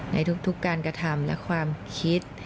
ในทุกการกระทำและความคิด